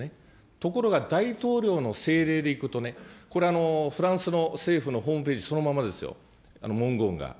ところが大統領の政令でいくとね、これはフランスの政府のホームページそのままですよ、文言が。